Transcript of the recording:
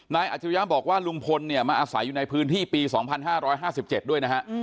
อาจริยะบอกว่าลุงพลเนี่ยมาอาศัยอยู่ในพื้นที่ปี๒๕๕๗ด้วยนะฮะ